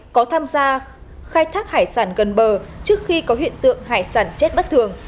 có tham gia khai thác hải sản gần bờ trước khi có hiện tượng hải sản chết bất thường